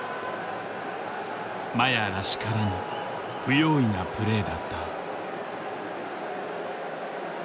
麻也らしからぬ不用意なプレーだった。